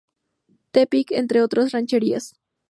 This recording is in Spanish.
Tepic, entre otras rancherías.